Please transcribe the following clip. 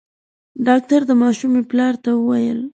ډاکټر د ماشومي پلار ته وويل :